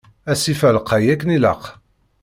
Asif-a lqay akken ilaq.